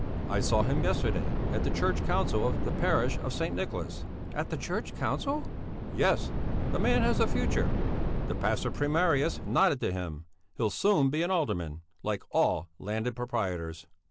I saw him yesterday at the church council of the Parish of St. Nicholas." "At the church council?" "Yes; that man has a future. The pastor primarius nodded to him. He'll soon be an alderman, like all landed proprietors."